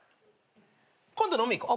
今度飲みに行こう。